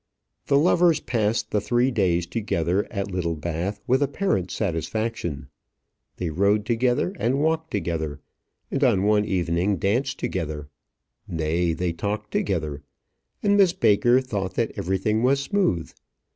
The lovers passed the three days together at Littlebath with apparent satisfaction. They rode together, and walked together, and on one evening danced together; nay, they talked together, and Miss Baker thought that everything was smooth.